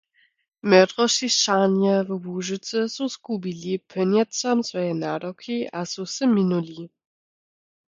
Módrośišćarnje we Łužycy su zgubili póněcom swóje nadawki a su se minuli.